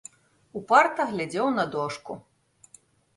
Упарта глядзеў на дошку.